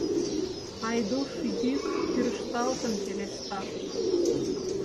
— Айдуш йӱк кӱрышталтын пелешта.